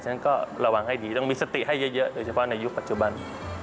ฉะก็ระวังให้ดีต้องมีสติให้เยอะโดยเฉพาะในยุคปัจจุบัน